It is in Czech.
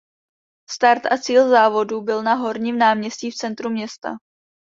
Start a cíl závodu byl na Horním náměstí v centru města.